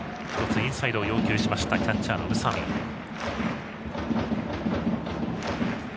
１つ、インサイドを要求したキャッチャーの宇佐見です。